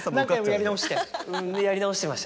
やり直してましたね。